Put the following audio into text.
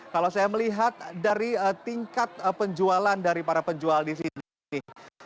kalau saya melihat dari tingkat penjualan dari para penjual di sini